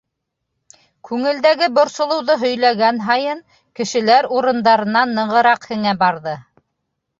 Күңелдәге борсолоуҙы һөйләгән һайын, кешеләр урындарына нығыраҡ һеңә барҙы.